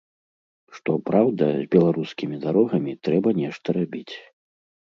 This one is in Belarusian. Што праўда, з беларускімі дарогамі трэба нешта рабіць.